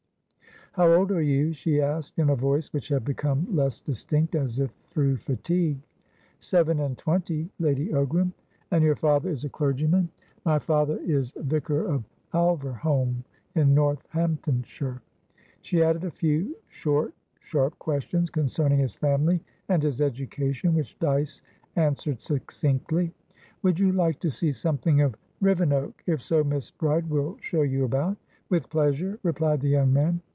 "How old are you?" she asked, in a voice which had become less distinct, as if through fatigue. "Seven and twenty, Lady Ogram." "And your father is a clergyman?" "My father is vicar of Alverholme, in Northamptonshire." She added a few short, sharp questions, concerning his family and his education, which Dyce answered succinctly. "Would you like to see something of Rivenoak? If so, Miss Bride will show you about." "With pleasure," replied the young man.